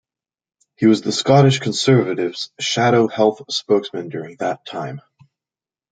He was the Scottish Conservatives' shadow health spokesman during that time.